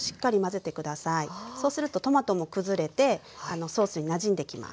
そうするとトマトも崩れてソースになじんできます。